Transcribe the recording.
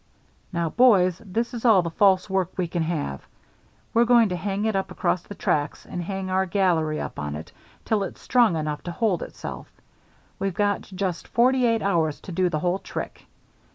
"Now, boys, this is all the false work we can have. We're going to hang it up across the tracks and hang our gallery up on it till it's strong enough to hold itself. We've got just forty eight hours to do the whole trick.